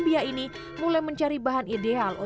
jadi kamu hanya mengambil panggolmu